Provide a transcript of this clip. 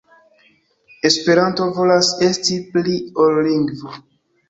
Esperanto volas esti pli ol lingvo.